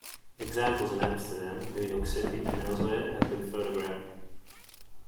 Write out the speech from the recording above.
Examples in Amsterdam, New York City and elsewhere have been photographed.